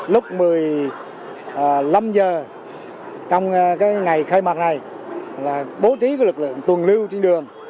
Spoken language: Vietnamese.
lúc một mươi năm h trong ngày khai mạc này là bố trí lực lượng tuần lưu trên đường